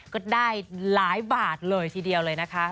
ก็ได้หลายบาทเลยทีเดียวเลยนะคะ